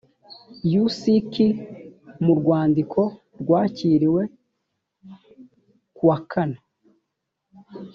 uck mu rwandiko rwakiriwe ku wakane